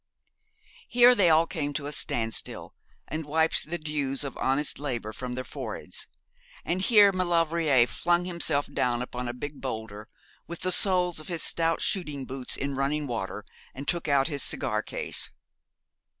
Here they all came to a stand still, and wiped the dews of honest labour from their foreheads; and here Maulevrier flung himself down upon a big boulder, with the soles of his stout shooting boots in running water, and took out his cigar case.